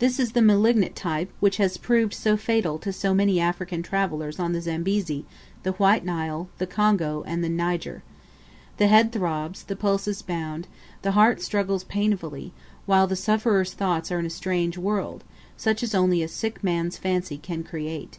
This is the malignant type, which has proved fatal to so many African travellers on the Zambezi, the White Nile, the Congo, and the Niger. The head throbs, the pulses bound, the heart struggles painfully, while the sufferer's thoughts are in a strange world, such only as a sick man's fancy can create.